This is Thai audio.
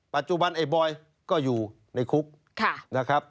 ปัจจุบันไอ้บอยก็อยู่ในคุก